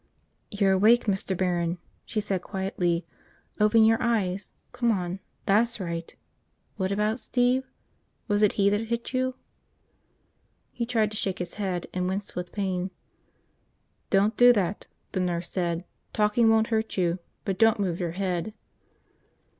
"You're awake, Mr. Barron," she said quietly. "Open your eyes ... come on. .. that's right. What about Steve? Was it he that hit you?" He tried to shake his head, and winced with pain. "Don't do that!" the nurse said. "Talking won't hurt you. But don't move your head."